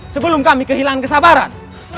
sebelum kami kehilangan kesabaran